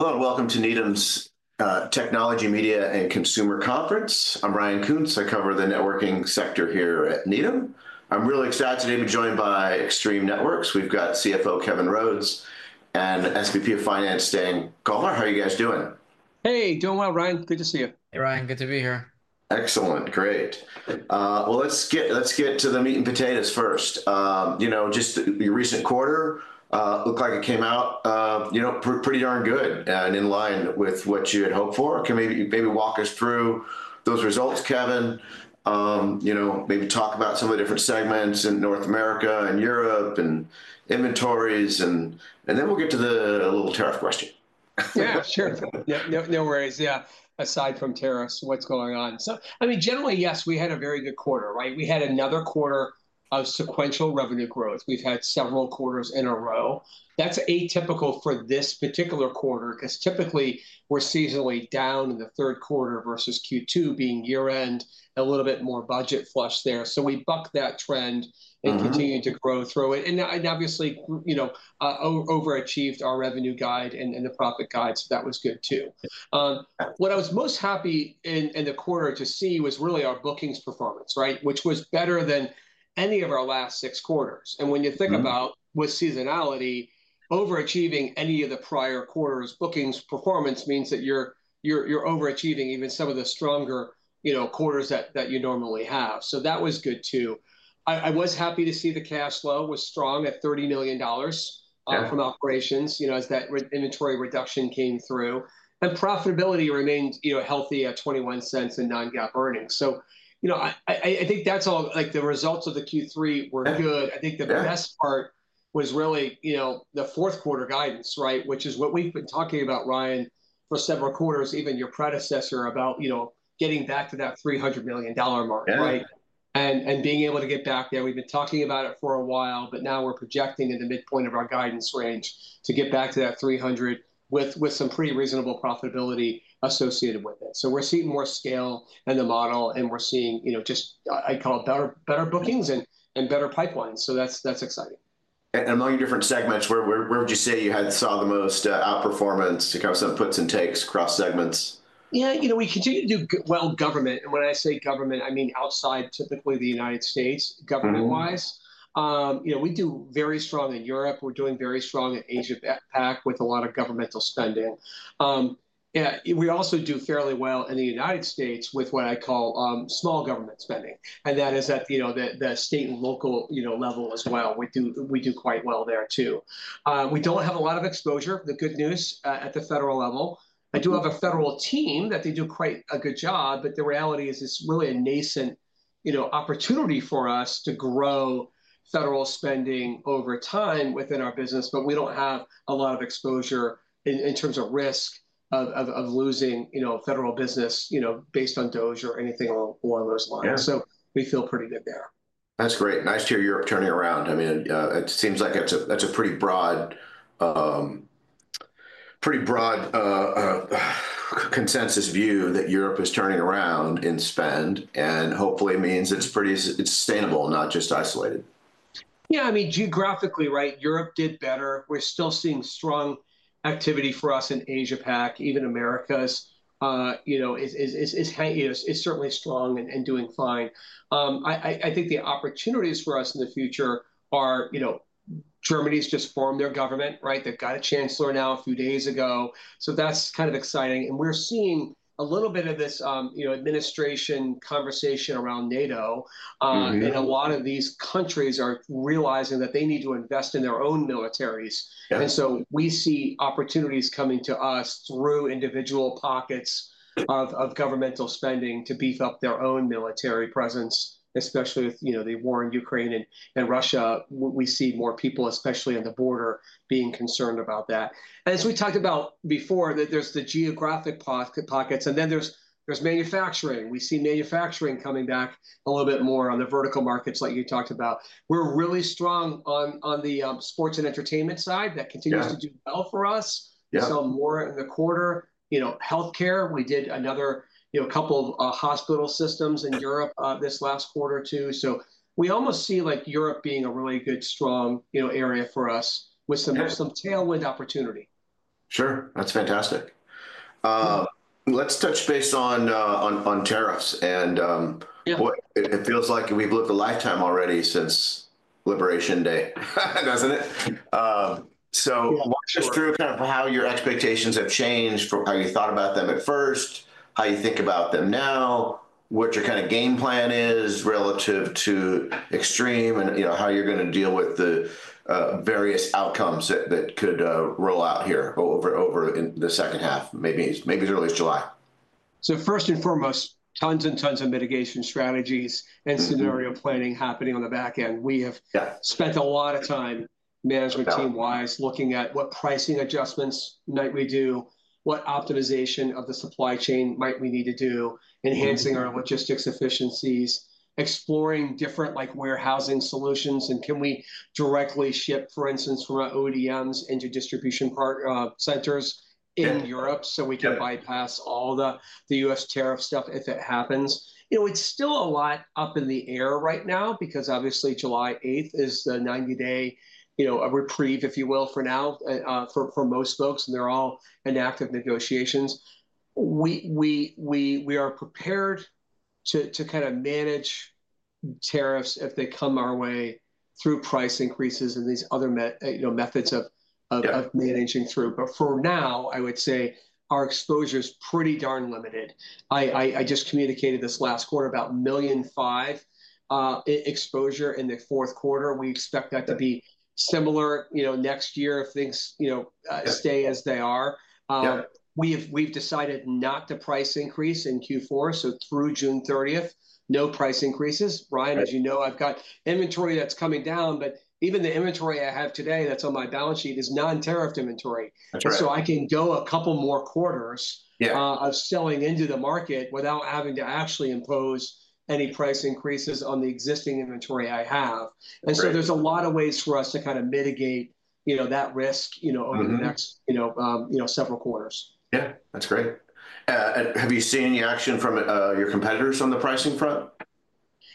Hello, and welcome to NEDM's Technology, Media, and Consumer Conference. I'm Ryan Koontz. I cover the networking sector here at NEDM. I'm really excited today to be joined by Extreme Networks. We've got CFO Kevin Rhodes and SVP of Finance, Stan Kovler. How are you guys doing? Hey, doing well, Ryan. Good to see you. Hey, Ryan. Good to be here. Excellent. Great. Let's get to the meat and potatoes first. Just your recent quarter looked like it came out pretty darn good and in line with what you had hoped for. Can you maybe walk us through those results, Kevin? Maybe talk about some of the different segments in North America and Europe and inventories. Then we'll get to the little tariff question. Yeah, sure. No worries. Yeah. Aside from tariffs, what's going on? I mean, generally, yes, we had a very good quarter. We had another quarter of sequential revenue growth. We've had several quarters in a row. That's atypical for this particular quarter because typically we're seasonally down in the third quarter versus Q2 being year-end, a little bit more budget flush there. We bucked that trend and continued to grow through it. Obviously, overachieved our revenue guide and the profit guide. That was good too. What I was most happy in the quarter to see was really our bookings performance, which was better than any of our last six quarters. When you think about with seasonality, overachieving any of the prior quarters, bookings performance means that you're overachieving even some of the stronger quarters that you normally have. That was good too. I was happy to see the cash flow was strong at $30 million from operations as that inventory reduction came through. Profitability remained healthy at $0.21 in non-GAAP earnings. I think all the results of the Q3 were good. I think the best part was really the fourth quarter guidance, which is what we've been talking about, Ryan, for several quarters, even your predecessor, about getting back to that $300 million mark and being able to get back there. We've been talking about it for a while, but now we're projecting in the midpoint of our guidance range to get back to that $300 million with some pretty reasonable profitability associated with it. We're seeing more scale in the model, and we're seeing just, I'd call it, better bookings and better pipelines. That's exciting. Among different segments, where would you say you had saw the most outperformance to kind of some puts and takes across segments? Yeah, we continue to do well government. And when I say government, I mean outside typically the United States government-wise. We do very strong in Europe. We're doing very strong in Asia-Pacific with a lot of governmental spending. We also do fairly well in the United States with what I call small government spending. And that is at the state and local level as well. We do quite well there too. We don't have a lot of exposure, the good news, at the federal level. I do have a federal team that they do quite a good job, but the reality is it's really a nascent opportunity for us to grow federal spending over time within our business. But we don't have a lot of exposure in terms of risk of losing federal business based on DOGE or anything along those lines. So we feel pretty good there. That's great. Nice to hear Europe turning around. I mean, it seems like that's a pretty broad consensus view that Europe is turning around in spend and hopefully means it's sustainable, not just isolated. Yeah, I mean, geographically, Europe did better. We're still seeing strong activity for us in Asia-Pacific. Even America's is certainly strong and doing fine. I think the opportunities for us in the future are Germany's just formed their government. They've got a chancellor now a few days ago. That is kind of exciting. We're seeing a little bit of this administration conversation around NATO. A lot of these countries are realizing that they need to invest in their own militaries. We see opportunities coming to us through individual pockets of governmental spending to beef up their own military presence, especially with the war in Ukraine and Russia. We see more people, especially on the border, being concerned about that. As we talked about before, there's the geographic pockets, and then there's manufacturing. We see manufacturing coming back a little bit more on the vertical markets like you talked about. We're really strong on the sports and entertainment side. That continues to do well for us. We saw more in the quarter. Healthcare, we did another couple of hospital systems in Europe this last quarter too. We almost see Europe being a really good, strong area for us with some tailwind opportunity. Sure. That's fantastic. Let's touch base on tariffs. It feels like we've lived a lifetime already since Liberation Day, doesn't it? Walk us through kind of how your expectations have changed from how you thought about them at first, how you think about them now, what your kind of game plan is relative to Extreme, and how you're going to deal with the various outcomes that could roll out here over the second half, maybe as early as July. First and foremost, tons and tons of mitigation strategies and scenario planning happening on the back end. We have spent a lot of time management team-wise looking at what pricing adjustments might we do, what optimization of the supply chain might we need to do, enhancing our logistics efficiencies, exploring different warehousing solutions. Can we directly ship, for instance, from our OEDMs into distribution centers in Europe so we can bypass all the U.S. tariff stuff if it happens? It's still a lot up in the air right now because obviously July 8th is the 90-day reprieve, if you will, for now for most folks. They're all in active negotiations. We are prepared to kind of manage tariffs if they come our way through price increases and these other methods of managing through. For now, I would say our exposure is pretty darn limited. I just communicated this last quarter about $1.5 million exposure in the fourth quarter. We expect that to be similar next year if things stay as they are. We have decided not to price increase in Q4. Through June 30, no price increases. Ryan, as you know, I have got inventory that is coming down, but even the inventory I have today that is on my balance sheet is non-tariffed inventory. I can go a couple more quarters of selling into the market without having to actually impose any price increases on the existing inventory I have. There are a lot of ways for us to kind of mitigate that risk over the next several quarters. Yeah, that's great. Have you seen any action from your competitors on the pricing front?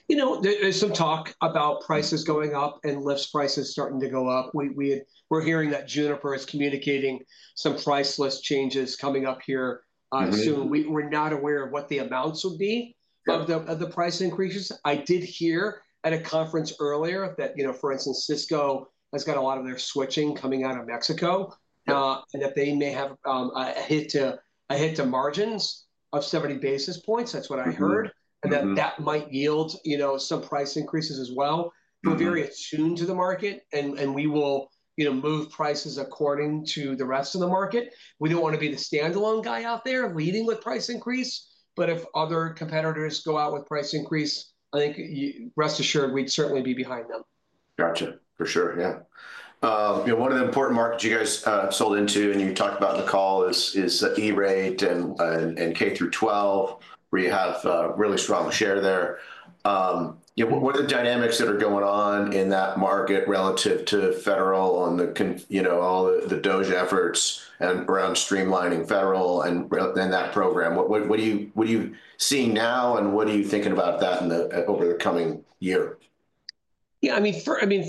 You know, there's some talk about prices going up and lift prices starting to go up. We're hearing that Juniper is communicating some price list changes coming up here soon. We're not aware of what the amounts will be of the price increases. I did hear at a conference earlier that, for instance, Cisco has got a lot of their switching coming out of Mexico and that they may have a hit to margins of 70 basis points. That's what I heard. That might yield some price increases as well. We're very attuned to the market, and we will move prices according to the rest of the market. We don't want to be the standalone guy out there leading with price increase. If other competitors go out with price increase, I think rest assured we'd certainly be behind them. Gotcha. For sure. Yeah. One of the important markets you guys sold into and you talked about in the call is E-rate and K through 12, where you have a really strong share there. What are the dynamics that are going on in that market relative to federal on all the DOGE efforts and around streamlining federal and that program? What are you seeing now, and what are you thinking about that over the coming year? Yeah, I mean,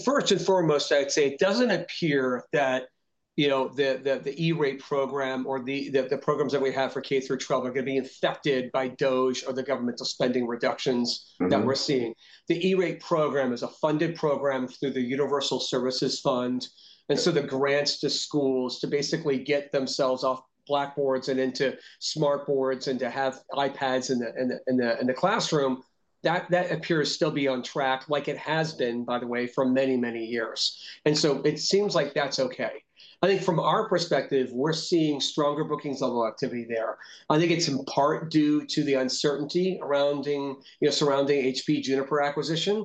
first and foremost, I'd say it doesn't appear that the E-rate program or the programs that we have for K through 12 are going to be affected by DOGE or the governmental spending reductions that we're seeing. The E-rate program is a funded program through the Universal Services Fund. The grants to schools to basically get themselves off blackboards and into smartboards and to have iPads in the classroom, that appears to still be on track like it has been, by the way, for many, many years. It seems like that's okay. I think from our perspective, we're seeing stronger bookings level activity there. I think it's in part due to the uncertainty surrounding HPE Juniper acquisition.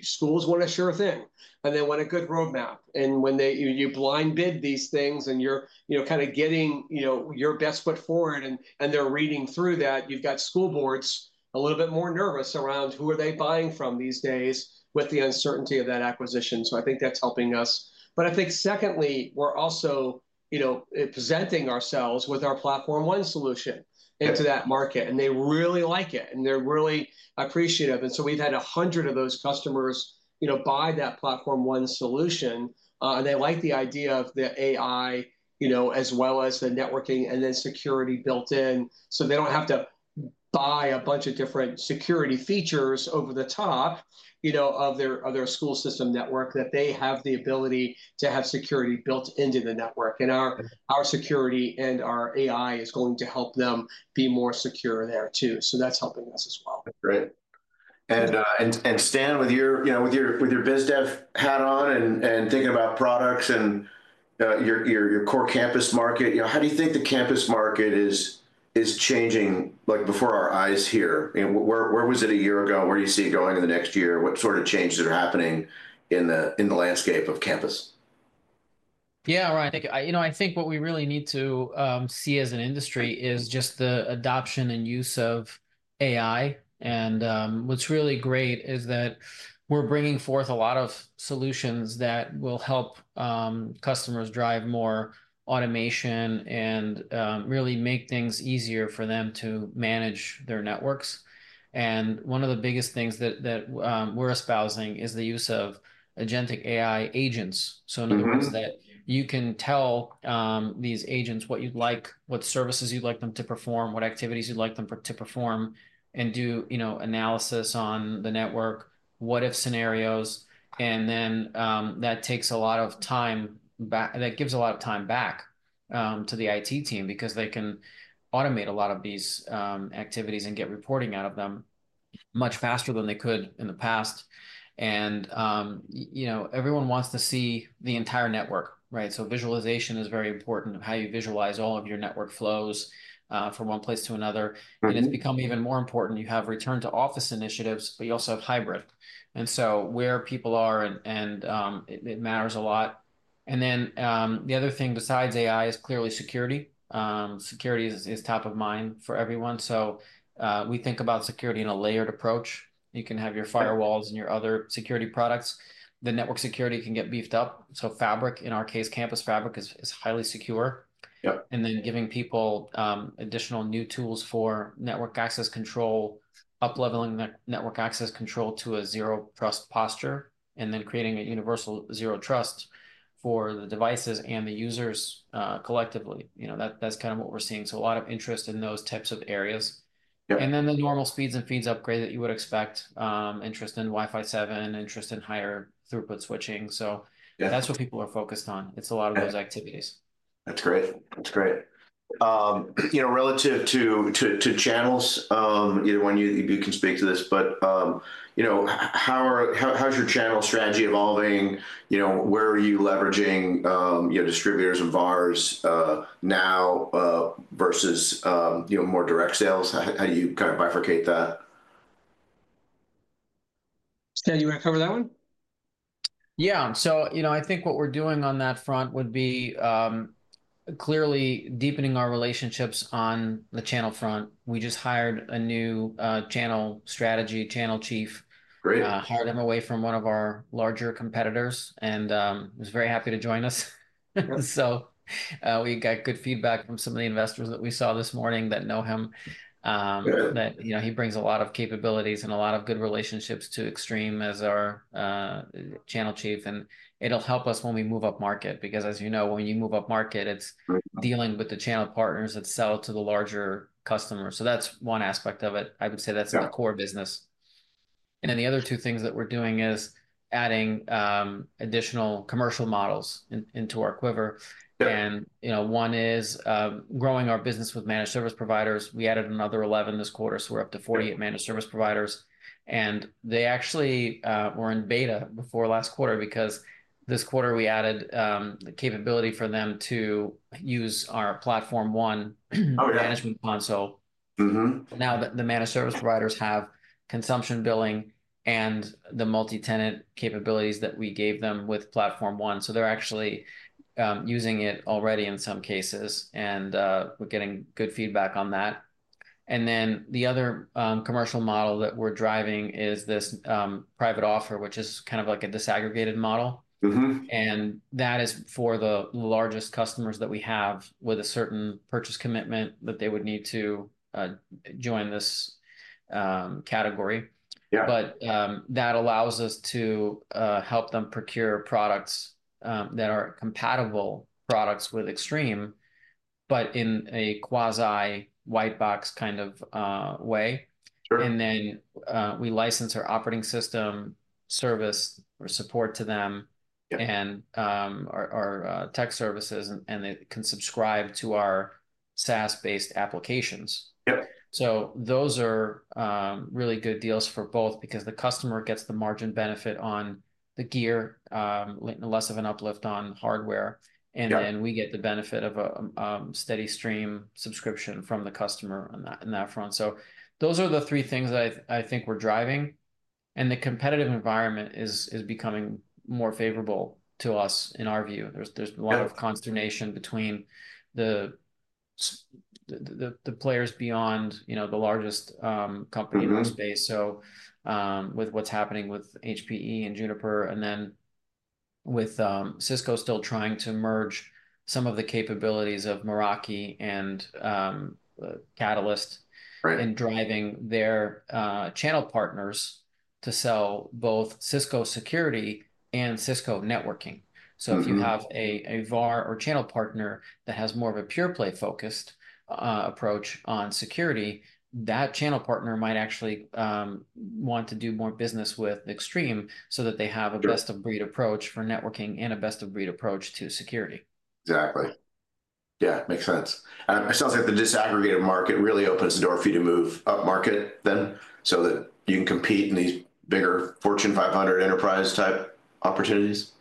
Schools want a sure thing, and they want a good roadmap. When you blind bid these things and you're kind of getting your best foot forward and they're reading through that, you've got school boards a little bit more nervous around who are they buying from these days with the uncertainty of that acquisition. I think that's helping us. I think secondly, we're also presenting ourselves with our Platform One solution into that market, and they really like it, and they're really appreciative. We've had 100 of those customers buy that Platform One solution. They like the idea of the AI as well as the networking and then security built in. They don't have to buy a bunch of different security features over the top of their school system network. They have the ability to have security built into the network. Our security and our AI is going to help them be more secure there too. That is helping us as well. Great. Stan, with your biz dev hat on and thinking about products and your core campus market, how do you think the campus market is changing before our eyes here? Where was it a year ago? Where do you see it going in the next year? What sort of changes are happening in the landscape of campus? Yeah, Ryan, I think what we really need to see as an industry is just the adoption and use of AI. What's really great is that we're bringing forth a lot of solutions that will help customers drive more automation and really make things easier for them to manage their networks. One of the biggest things that we're espousing is the use of agentic AI agents. In other words, you can tell these agents what you'd like, what services you'd like them to perform, what activities you'd like them to perform, and do analysis on the network, what-if scenarios. That takes a lot of time back. That gives a lot of time back to the IT team because they can automate a lot of these activities and get reporting out of them much faster than they could in the past. Everyone wants to see the entire network, right? Visualization is very important of how you visualize all of your network flows from one place to another. It has become even more important. You have return to office initiatives, but you also have hybrid. Where people are, it matters a lot. The other thing besides AI is clearly security. Security is top of mind for everyone. We think about security in a layered approach. You can have your firewalls and your other security products. The network security can get beefed up. Fabric, in our case, campus fabric is highly secure. Giving people additional new tools for network access control, up-leveling network access control to a zero trust posture, and then creating a universal zero trust for the devices and the users collectively. That is kind of what we are seeing. A lot of interest in those types of areas. And then the normal speeds and feeds upgrade that you would expect, interest in Wi-Fi 7, interest in higher throughput switching. That is what people are focused on. It is a lot of those activities. That's great. That's great. Relative to channels, either one of you can speak to this, but how is your channel strategy evolving? Where are you leveraging distributors and VARs now versus more direct sales? How do you kind of bifurcate that? Stan, you want to cover that one? Yeah. I think what we're doing on that front would be clearly deepening our relationships on the channel front. We just hired a new channel strategy, channel chief, hired him away from one of our larger competitors, and he was very happy to join us. We got good feedback from some of the investors that we saw this morning that know him, that he brings a lot of capabilities and a lot of good relationships to Extreme as our channel chief. It'll help us when we move up market because, as you know, when you move up market, it's dealing with the channel partners that sell to the larger customers. That's one aspect of it. I would say that's the core business. The other two things that we're doing is adding additional commercial models into our quiver. One is growing our business with managed service providers. We added another 11 this quarter, so we're up to 48 managed service providers. They actually were in beta before last quarter because this quarter we added the capability for them to use our Platform One management console. Now the managed service providers have consumption billing and the multi-tenant capabilities that we gave them with Platform One. They're actually using it already in some cases, and we're getting good feedback on that. The other commercial model that we're driving is this private offer, which is kind of like a disaggregated model. That is for the largest customers that we have with a certain purchase commitment that they would need to join this category. That allows us to help them procure products that are compatible products with Extreme, but in a quasi white box kind of way. Then we license our operating system service or support to them and our tech services, and they can subscribe to our SaaS-based applications. Those are really good deals for both because the customer gets the margin benefit on the gear, less of an uplift on hardware. We get the benefit of a steady stream subscription from the customer on that front. Those are the three things that I think we're driving. The competitive environment is becoming more favorable to us, in our view. There is a lot of consternation between the players beyond the largest company in our space. With what's happening with HPE and Juniper, and then with Cisco still trying to merge some of the capabilities of Meraki and Catalyst and driving their channel partners to sell both Cisco security and Cisco networking. If you have a VAR or channel partner that has more of a pure play focused approach on security, that channel partner might actually want to do more business with Extreme so that they have a best of breed approach for networking and a best of breed approach to security. Exactly. Yeah, makes sense. It sounds like the disaggregated market really opens the door for you to move up market then so that you can compete in these bigger Fortune 500 enterprise type opportunities.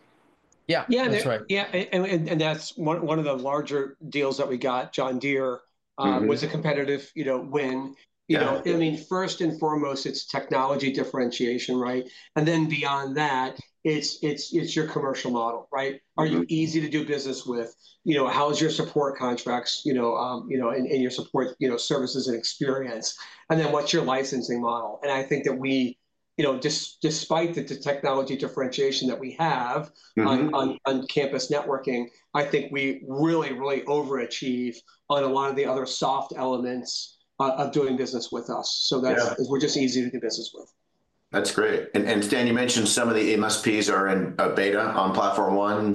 Yeah. Yeah, and that's one of the larger deals that we got. John Deere was a competitive win. I mean, first and foremost, it's technology differentiation, right? And then beyond that, it's your commercial model, right? Are you easy to do business with? How is your support contracts and your support services and experience? And then what's your licensing model? I think that we, despite the technology differentiation that we have on campus networking, I think we really, really overachieve on a lot of the other soft elements of doing business with us. We're just easy to do business with. That's great. Stan, you mentioned some of the MSPs are in beta on Platform One.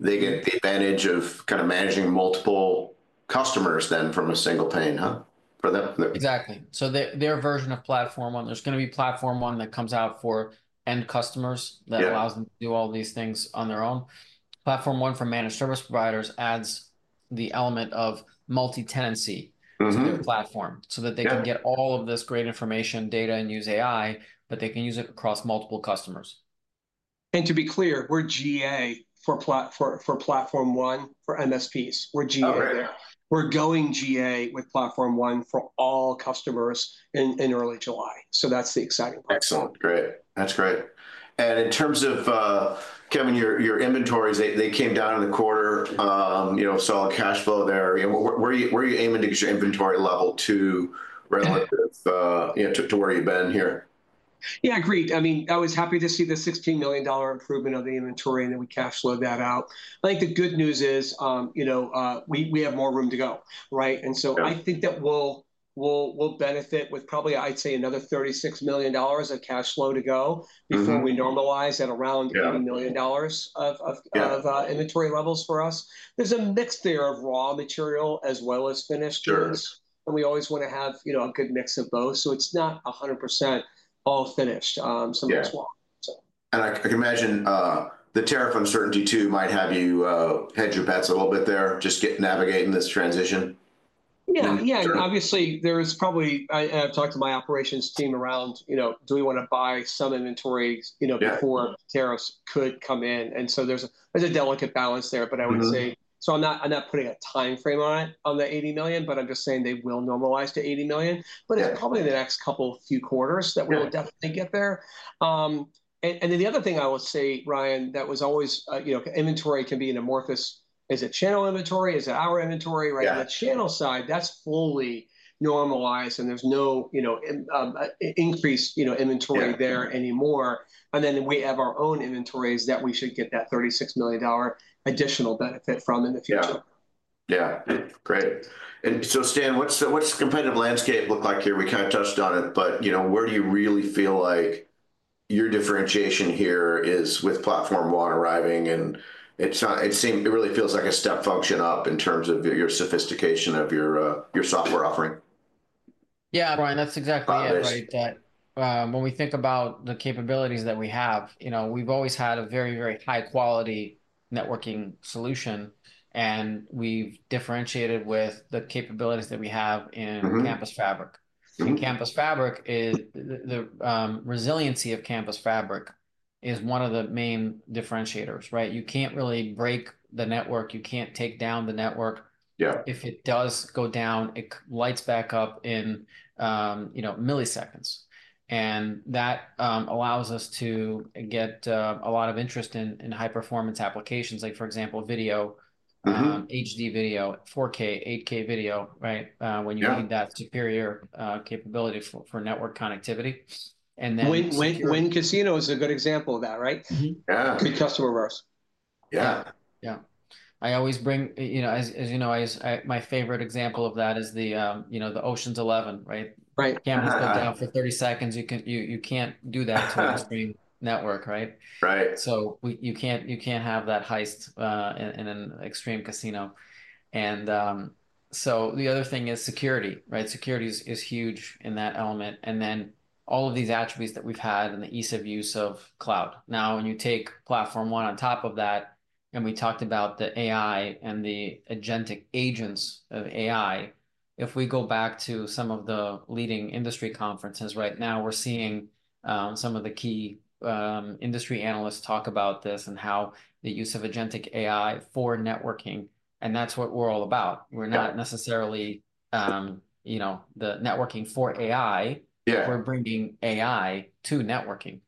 They get the advantage of kind of managing multiple customers then from a single pane, huh? Exactly. Their version of Platform One, there is going to be Platform One that comes out for end customers that allows them to do all these things on their own. Platform One for managed service providers adds the element of multi-tenancy to their platform so that they can get all of this great information, data, and use AI, but they can use it across multiple customers. To be clear, we are GA for Platform One for MSPs. We are GA there. We are going GA with Platform One for all customers in early July. That is the exciting part. Excellent. Great. That's great. In terms of, Kevin, your inventories, they came down in the quarter, solid cash flow there. Where are you aiming to get your inventory level to relative to where you've been here? Yeah, great. I mean, I was happy to see the $16 million improvement of the inventory, and then we cash flowed that out. I think the good news is we have more room to go, right? I think that we'll benefit with probably, I'd say, another $36 million of cash flow to go before we normalize at around $80 million of inventory levels for us. There's a mix there of raw material as well as finished goods. We always want to have a good mix of both. It's not 100% all finished. I can imagine the tariff uncertainty too might have you hedge your bets a little bit there, just navigating this transition. Yeah, yeah. Obviously, there is probably, I've talked to my operations team around, do we want to buy some inventory before tariffs could come in? There is a delicate balance there, but I would say, I'm not putting a timeframe on it, on the $80 million, but I'm just saying they will normalize to $80 million. It's probably the next couple of few quarters that we will definitely get there. The other thing I will say, Ryan, that was always inventory can be an amorphous. Is it channel inventory? Is it our inventory, right? On the channel side, that's fully normalized, and there's no increased inventory there anymore. We have our own inventories that we should get that $36 million additional benefit from in the future. Yeah. Yeah. Great. Stan, what's the competitive landscape look like here? We kind of touched on it, but where do you really feel like your differentiation here is with Platform One arriving? It really feels like a step function up in terms of your sophistication of your software offering. Yeah, Ryan, that's exactly it, right? When we think about the capabilities that we have, we've always had a very, very high-quality networking solution, and we've differentiated with the capabilities that we have in Campus Fabric. Campus Fabric, the resiliency of Campus Fabric is one of the main differentiators, right? You can't really break the network. You can't take down the network. If it does go down, it lights back up in milliseconds. That allows us to get a lot of interest in high-performance applications, like for example, video, HD video, 4K, 8K video, right? When you need that superior capability for network connectivity. And then. Wayne Casino is a good example of that, right? Yeah. Good customer of ours. Yeah. Yeah. I always bring, as you know, my favorite example of that is the Ocean's 11, right? Campus goes down for 30 seconds. You can't do that to an Extreme network, right? You can't have that heist in an Extreme Casino. The other thing is security, right? Security is huge in that element. All of these attributes that we've had and the ease of use of cloud. Now, when you take Platform One on top of that, and we talked about the AI and the agentic agents of AI, if we go back to some of the leading industry conferences right now, we're seeing some of the key industry analysts talk about this and how the use of agentic AI for networking, and that's what we're all about. We're not necessarily the networking for AI. We're bringing AI to networking.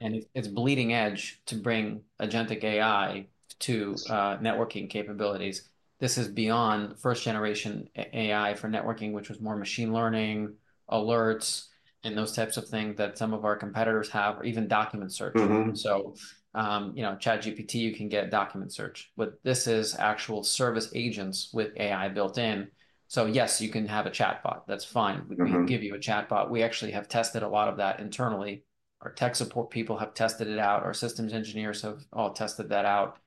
It is bleeding edge to bring agentic AI to networking capabilities. This is beyond first-generation AI for networking, which was more machine learning, alerts, and those types of things that some of our competitors have, or even document search. ChatGPT, you can get document search. This is actual service agents with AI built in. Yes, you can have a chatbot. That is fine. We can give you a chatbot. We actually have tested a lot of that internally. Our tech support people have tested it out. Our systems engineers have all tested that out.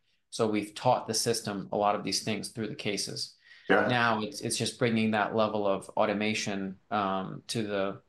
We have taught the system a lot of these things through the cases. Now it is just bringing that level of automation to the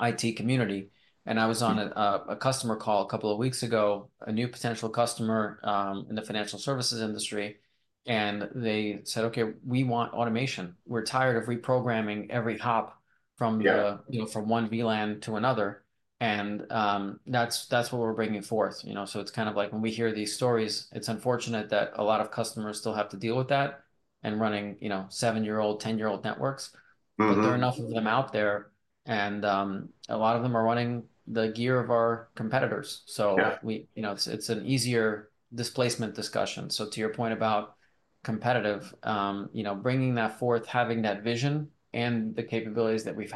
IT community. I was on a customer call a couple of weeks ago, a new potential customer in the financial services industry. They said, "Okay, we want automation. We're tired of reprogramming every hop from one VLAN to another. That is what we're bringing forth. It is kind of like when we hear these stories, it is unfortunate that a lot of customers still have to deal with that and running seven year-old, 10-year-old networks. There are enough of them out there, and a lot of them are running the gear of our competitors. It is an easier displacement discussion. To your point about competitive, bringing that forth, having that vision and the capabilities that we've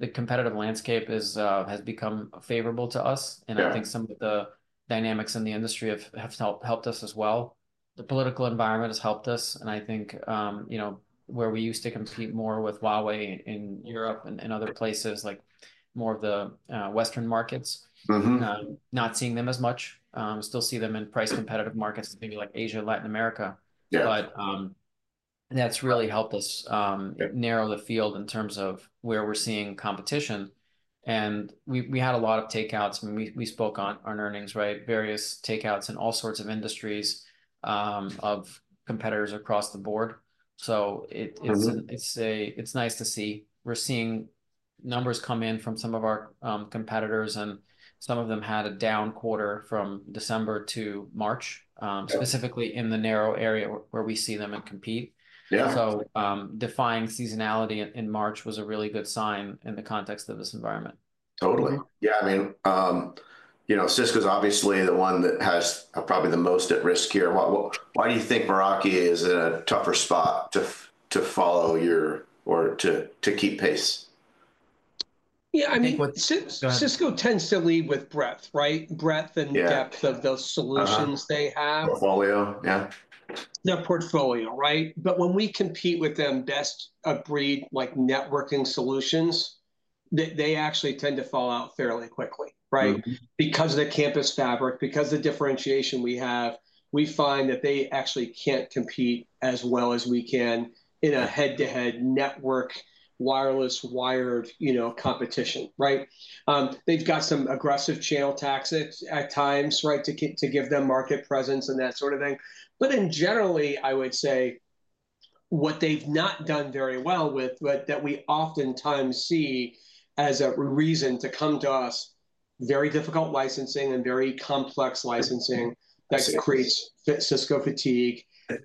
had, the competitive landscape has become favorable to us. I think some of the dynamics in the industry have helped us as well. The political environment has helped us. I think where we used to compete more with Huawei in Europe and other places, like more of the Western markets, we are not seeing them as much. Still see them in price competitive markets, maybe like Asia, Latin America. That has really helped us narrow the field in terms of where we are seeing competition. We had a lot of takeouts. We spoke on earnings, right? Various takeouts in all sorts of industries of competitors across the board. It is nice to see. We are seeing numbers come in from some of our competitors, and some of them had a down quarter from December to March, specifically in the narrow area where we see them and compete. Defying seasonality in March was a really good sign in the context of this environment. Totally. Yeah. I mean, Cisco's obviously the one that has probably the most at risk here. Why do you think Meraki is in a tougher spot to follow your or to keep pace? Yeah. I mean, Cisco tends to lead with breadth, right? Breadth and depth of the solutions they have. Portfolio. Yeah. Their portfolio, right? When we compete with them best of breed networking solutions, they actually tend to fall out fairly quickly, right? Because of the Campus Fabric, because of the differentiation we have, we find that they actually can't compete as well as we can in a head-to-head network, wireless, wired competition, right? They've got some aggressive channel tactics at times, right, to give them market presence and that sort of thing. Generally, I would say what they've not done very well with, but that we oftentimes see as a reason to come to us, very difficult licensing and very complex licensing that creates Cisco fatigue,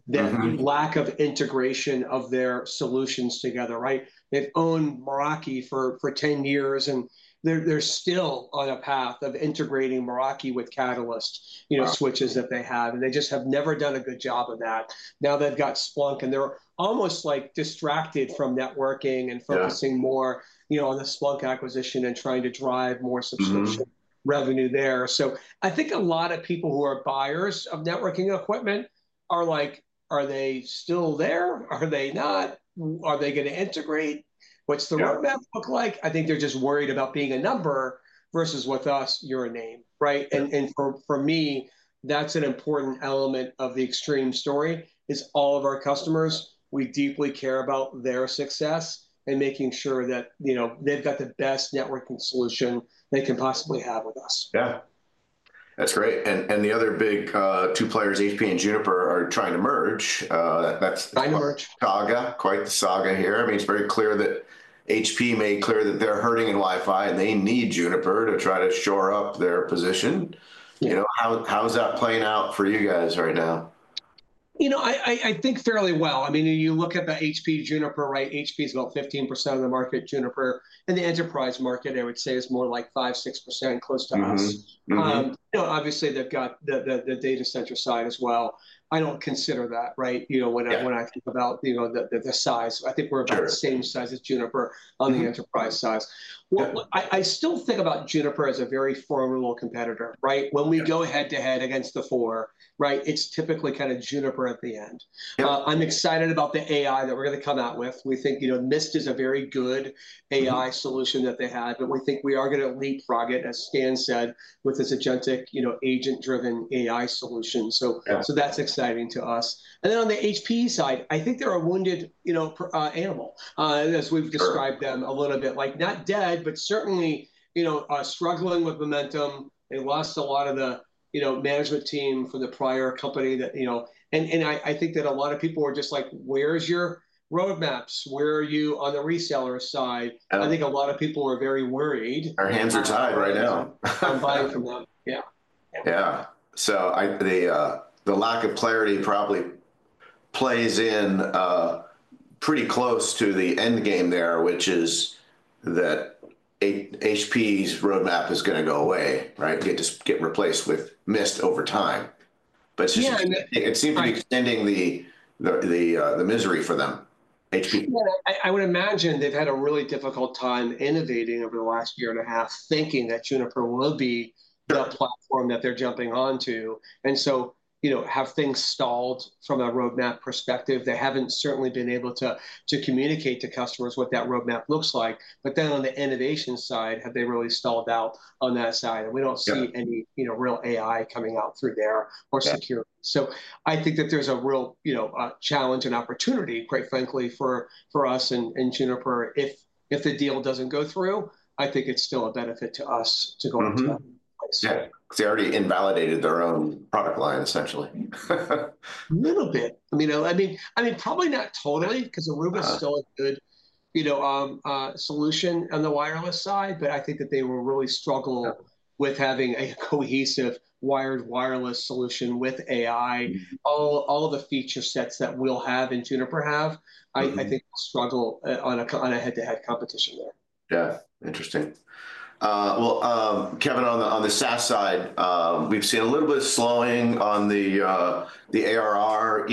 that lack of integration of their solutions together, right? They've owned Meraki for 10 years, and they're still on a path of integrating Meraki with Catalyst switches that they have. They just have never done a good job of that. Now they've got Splunk, and they're almost distracted from networking and focusing more on the Splunk acquisition and trying to drive more subscription revenue there. I think a lot of people who are buyers of networking equipment are like, "Are they still there? Are they not? Are they going to integrate? What's the roadmap look like?" I think they're just worried about being a number versus with us, you're a name, right? For me, that's an important element of the Extreme story is all of our customers. We deeply care about their success and making sure that they've got the best networking solution they can possibly have with us. Yeah. That's great. The other big two players, HPE and Juniper, are trying to merge. Trying to merge. Saga, quite the saga here. I mean, it's very clear that HPE made clear that they're hurting in Wi-Fi, and they need Juniper to try to shore up their position. How's that playing out for you guys right now? You know, I think fairly well. I mean, you look at the HPE Juniper, right? HPE is about 15% of the market, Juniper. And the enterprise market, I would say, is more like 5-6% close to us. Obviously, they've got the data center side as well. I don't consider that, right? When I think about the size, I think we're about the same size as Juniper on the enterprise side. I still think about Juniper as a very formidable competitor, right? When we go head-to-head against the four, right, it's typically kind of Juniper at the end. I'm excited about the AI that we're going to come out with. We think NIST is a very good AI solution that they had, but we think we are going to leapfrog it, as Stan said, with this agentic agent-driven AI solution. So that's exciting to us. On the HP side, I think they're a wounded animal, as we've described them a little bit. Not dead, but certainly struggling with momentum. They lost a lot of the management team from the prior company. I think that a lot of people were just like, "Where's your roadmaps? Where are you on the reseller side?" I think a lot of people were very worried. Our hands are tied right now. I'm buying from them. Yeah. Yeah. The lack of clarity probably plays in pretty close to the end game there, which is that HPE's roadmap is going to go away, right? Get replaced with NIST over time. It seems to be extending the misery for them. HPE. I would imagine they've had a really difficult time innovating over the last year and a half, thinking that Juniper will be the platform that they're jumping onto. Have things stalled from a roadmap perspective? They haven't certainly been able to communicate to customers what that roadmap looks like. On the innovation side, have they really stalled out on that side? We don't see any real AI coming out through there or security. I think that there's a real challenge and opportunity, quite frankly, for us and Juniper. If the deal doesn't go through, I think it's still a benefit to us to go into that. Yeah. Because they already invalidated their own product line, essentially. A little bit. I mean, probably not totally because Aruba's still a good solution on the wireless side. I think that they will really struggle with having a cohesive wired wireless solution with AI. All of the feature sets that we will have and Juniper have, I think will struggle on a head-to-head competition there. Yeah. Interesting. Kevin, on the SaaS side, we've seen a little bit of slowing on the ARR.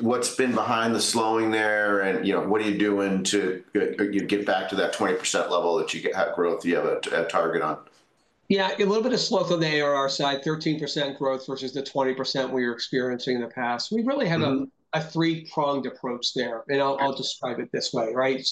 What's been behind the slowing there? What are you doing to get back to that 20% level that you have growth you have a target on? Yeah. A little bit of sloth on the ARR side, 13% growth versus the 20% we were experiencing in the past. We really have a three-pronged approach there. I'll describe it this way, right?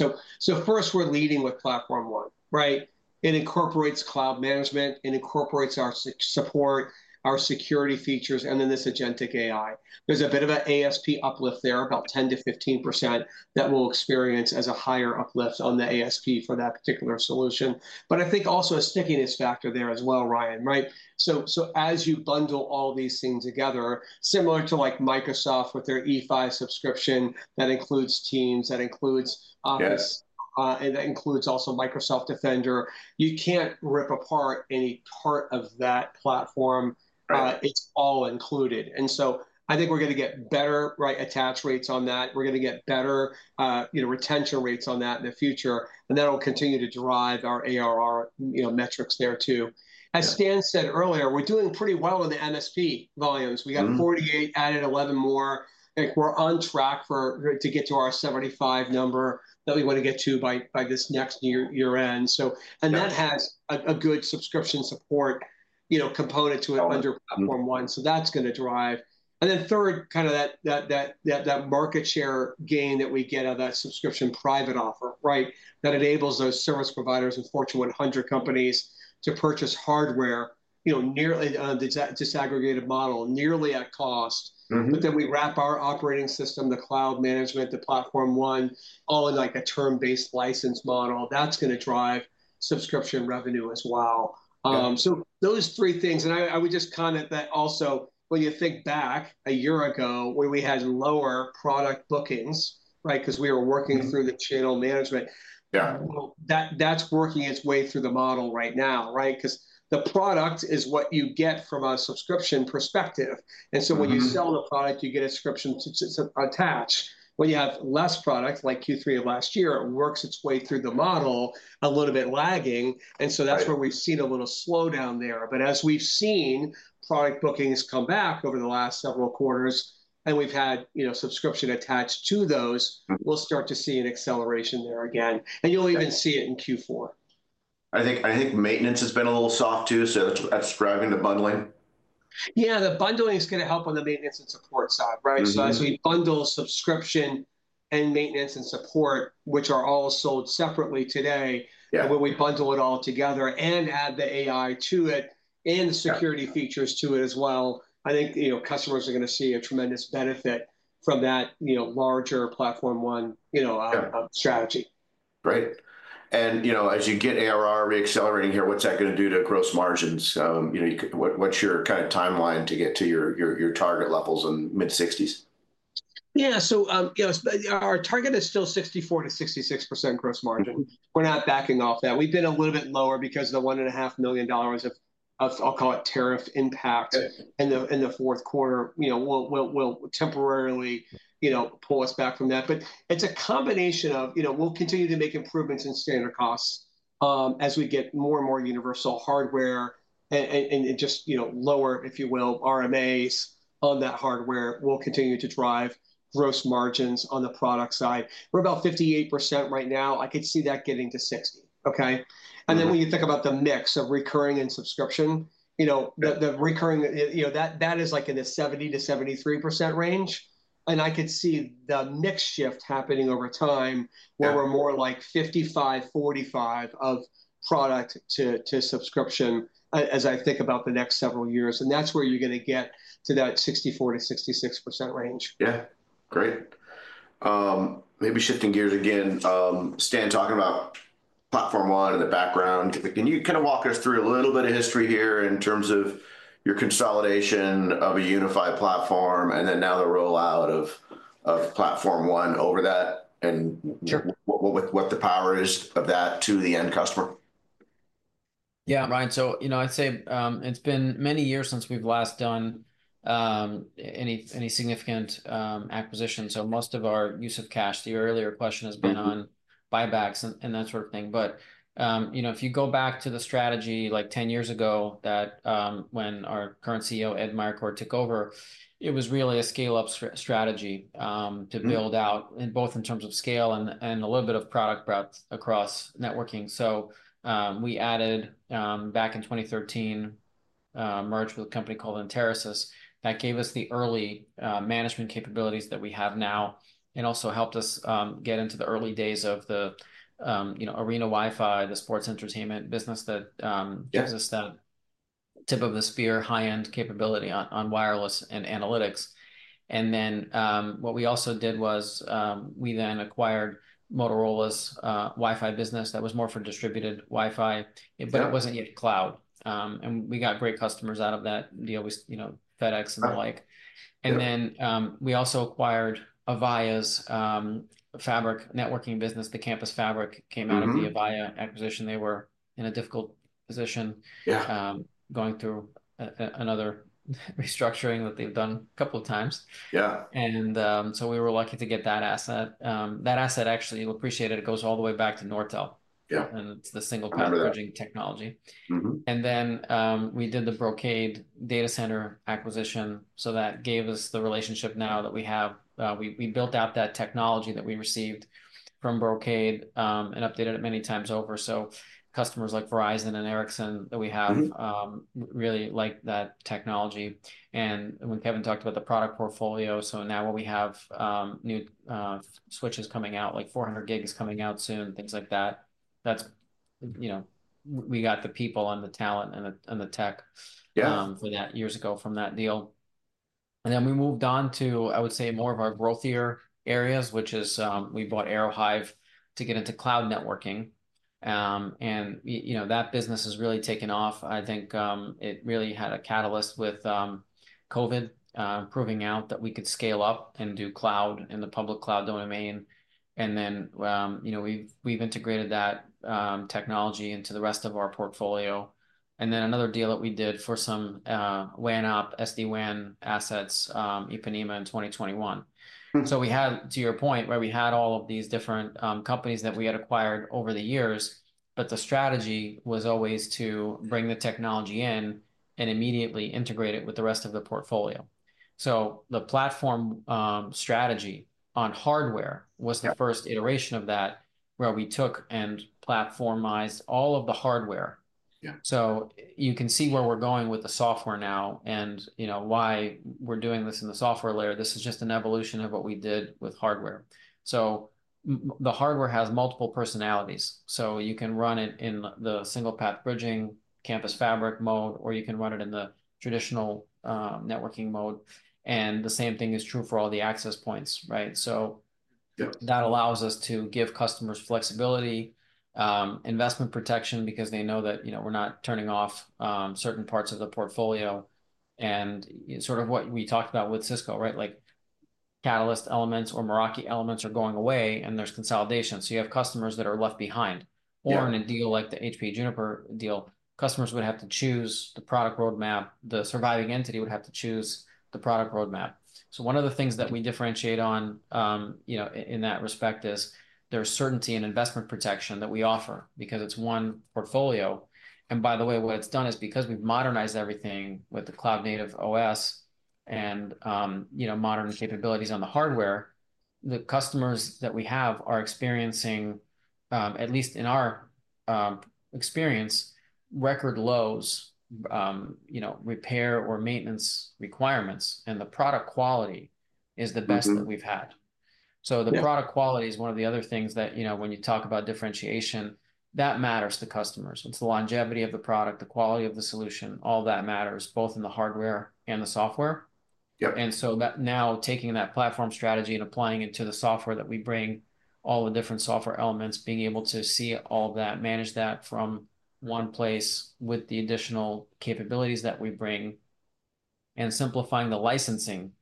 First, we're leading with Platform One, right? It incorporates cloud management. It incorporates our support, our security features, and then this agentic AI. There's a bit of an ASP uplift there, about 10%-15% that we'll experience as a higher uplift on the ASP for that particular solution. I think also a stickiness factor there as well, Ryan, right? As you bundle all these things together, similar to Microsoft with their E5 subscription that includes Teams, that includes Office, and that includes also Microsoft Defender, you can't rip apart any part of that platform. It's all included. I think we're going to get better attach rates on that. We're going to get better retention rates on that in the future. That'll continue to drive our ARR metrics there too. As Stan said earlier, we're doing pretty well on the MSP volumes. We got 48, added 11 more. We're on track to get to our 75 number that we want to get to by this next year-end. That has a good subscription support component to it under Platform One. That's going to drive. Third, kind of that market share gain that we get out of that subscription private offer, right? That enables those service providers and Fortune 100 companies to purchase hardware on a disaggregated model, nearly at cost. We wrap our operating system, the cloud management, the Platform One, all in a term-based license model. That's going to drive subscription revenue as well. Those three things. I would just comment that also, when you think back a year ago when we had lower product bookings, right? Because we were working through the channel management. That is working its way through the model right now, right? Because the product is what you get from a subscription perspective. And so when you sell the product, you get a subscription attached. When you have less product, like Q3 of last year, it works its way through the model a little bit lagging. That is where we have seen a little slowdown there. As we have seen product bookings come back over the last several quarters, and we have had subscription attached to those, we will start to see an acceleration there again. You will even see it in Q4. I think maintenance has been a little soft too. Is that driving the bundling? Yeah. The bundling is going to help on the maintenance and support side, right? As we bundle subscription and maintenance and support, which are all sold separately today, and when we bundle it all together and add the AI to it and the security features to it as well, I think customers are going to see a tremendous benefit from that larger Platform One strategy. Great. As you get ARR reaccelerating here, what's that going to do to gross margins? What's your kind of timeline to get to your target levels in mid-60s? Yeah. Our target is still 64%-66% gross margin. We're not backing off that. We've been a little bit lower because of the $1.5 million of, I'll call it, tariff impact in the fourth quarter. That will temporarily pull us back from that. It's a combination of we'll continue to make improvements in standard costs as we get more and more universal hardware and just lower, if you will, RMAs on that hardware. We'll continue to drive gross margins on the product side. We're about 58% right now. I could see that getting to 60%, okay? When you think about the mix of recurring and subscription, the recurring, that is like in the 70%-73% range. I could see the mix shift happening over time where we're more like 55-45 of product to subscription as I think about the next several years. That's where you're going to get to that 64%-66% range. Yeah. Great. Maybe shifting gears again, Stan, talking about Platform One in the background. Can you kind of walk us through a little bit of history here in terms of your consolidation of a unified platform and then now the rollout of Platform One over that and what the power is of that to the end customer? Yeah, Ryan. I'd say it's been many years since we've last done any significant acquisition. Most of our use of cash, the earlier question, has been on buybacks and that sort of thing. If you go back to the strategy like 10 years ago when our current CEO, Ed Meyercord, took over, it was really a scale-up strategy to build out both in terms of scale and a little bit of product breadth across networking. We added back in 2013, merged with a company called Enterasys. That gave us the early management capabilities that we have now and also helped us get into the early days of the arena Wi-Fi, the sports entertainment business that gives us that tip of the spear high-end capability on wireless and analytics. What we also did was we then acquired Motorola's Wi-Fi business that was more for distributed Wi-Fi, but it was not yet cloud. We got great customers out of that deal, FedEx and the like. We also acquired Avaya's fabric networking business. The Campus Fabric came out of the Avaya acquisition. They were in a difficult position going through another restructuring that they have done a couple of times. We were lucky to get that asset. That asset, actually, we appreciate it. It goes all the way back to Nortel. It is the single path bridging technology. We did the Brocade data center acquisition. That gave us the relationship now that we have. We built out that technology that we received from Brocade and updated it many times over. Customers like Verizon and Ericsson that we have really like that technology. When Kevin talked about the product portfolio, now we have new switches coming out, like 400 gigs coming out soon, things like that. We got the people and the talent and the tech for that years ago from that deal. We moved on to, I would say, more of our growthier areas, which is we bought Aerohive to get into cloud networking. That business has really taken off. I think it really had a catalyst with COVID proving out that we could scale up and do cloud in the public cloud domain. We have integrated that technology into the rest of our portfolio. Another deal that we did for some WAN app, SD-WAN assets, Ipanema in 2021. To your point, right, we had all of these different companies that we had acquired over the years, but the strategy was always to bring the technology in and immediately integrate it with the rest of the portfolio. The platform strategy on hardware was the first iteration of that where we took and platformized all of the hardware. You can see where we're going with the software now and why we're doing this in the software layer. This is just an evolution of what we did with hardware. The hardware has multiple personalities. You can run it in the single path bridging, Campus Fabric mode, or you can run it in the traditional networking mode. The same thing is true for all the access points, right? That allows us to give customers flexibility, investment protection because they know that we're not turning off certain parts of the portfolio. Sort of what we talked about with Cisco, right? Catalyst elements or Meraki elements are going away, and there's consolidation. You have customers that are left behind. In a deal like the HPE Juniper deal, customers would have to choose the product roadmap. The surviving entity would have to choose the product roadmap. One of the things that we differentiate on in that respect is there's certainty and investment protection that we offer because it's one portfolio. By the way, what it's done is because we've modernized everything with the cloud-native OS and modern capabilities on the hardware, the customers that we have are experiencing, at least in our experience, record lows repair or maintenance requirements. The product quality is the best that we've had. The product quality is one of the other things that, when you talk about differentiation, matters to customers. It's the longevity of the product, the quality of the solution, all that matters both in the hardware and the software. Now, taking that platform strategy and applying it to the software that we bring, all the different software elements, being able to see all that, manage that from one place with the additional capabilities that we bring. Simplifying the licensing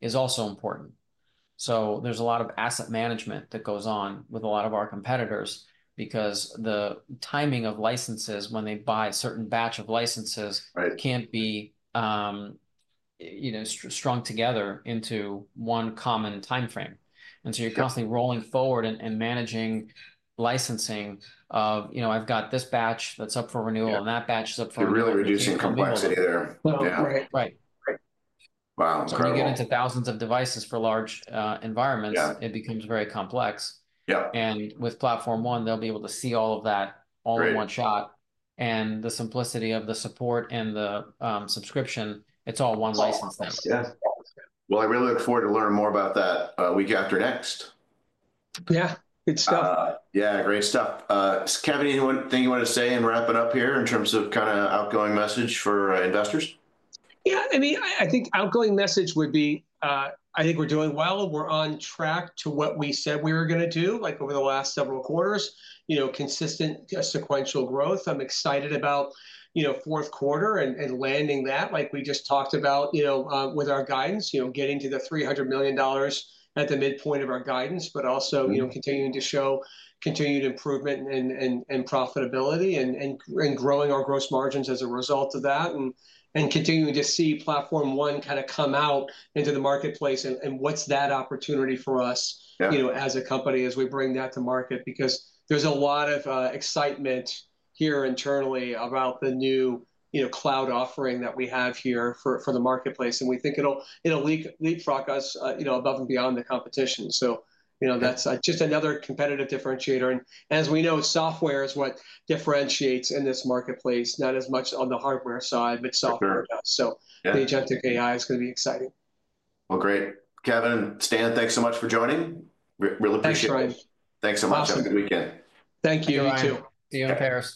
is also important. There's a lot of asset management that goes on with a lot of our competitors because the timing of licenses when they buy a certain batch of licenses cannot be strung together into one common timeframe. You're constantly rolling forward and managing licensing of, "I've got this batch that's up for renewal and that batch is up for renewal. You're really reducing complexity there. Yeah. Wow. Incredible. When you get into thousands of devices for large environments, it becomes very complex. With Platform One, they'll be able to see all of that all in one shot. The simplicity of the support and the subscription, it's all one license now. Yeah. I really look forward to learning more about that week after next. Yeah. Good stuff. Yeah. Great stuff. Kevin, anything you want to say in wrapping up here in terms of kind of outgoing message for investors? Yeah. I mean, I think outgoing message would be, "I think we're doing well. We're on track to what we said we were going to do over the last several quarters, consistent sequential growth." I'm excited about fourth quarter and landing that like we just talked about with our guidance, getting to the $300 million at the midpoint of our guidance, but also continuing to show continued improvement in profitability and growing our gross margins as a result of that and continuing to see Platform One kind of come out into the marketplace and what's that opportunity for us as a company as we bring that to market because there's a lot of excitement here internally about the new cloud offering that we have here for the marketplace. We think it'll leapfrog us above and beyond the competition. That's just another competitive differentiator. As we know, software is what differentiates in this marketplace, not as much on the hardware side, but software does. The agentic AI is going to be exciting. Great. Kevin, Stan, thanks so much for joining. Really appreciate it. Thanks, Ryan. Thanks so much. Have a good weekend. Thank you. You too. See you in Paris.